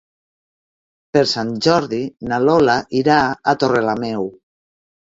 Per Sant Jordi na Lola irà a Torrelameu.